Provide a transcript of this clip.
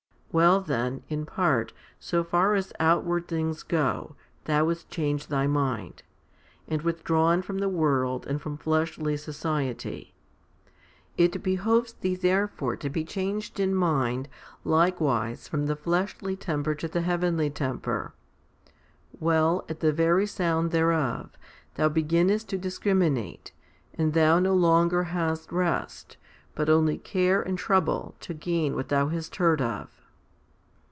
Well then, in part, so far as outward things go, thou hast changed thy mind, and with drawn from the world and from fleshly society : it behoves thee therefore to be changed in mind likewise from the fleshly temper to the heavenly temper. Well, at the very sound thereof, thou beginnest to discriminate, and thou no longer hast rest, but only care and trouble to gain what thou hast heard of.